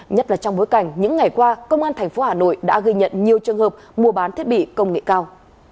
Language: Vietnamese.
nhất là trong bối cảnh những ngày qua công an thành phố hà nội đã gây nhận nhiều trường hợp mua bán thiết bị công nghệ cao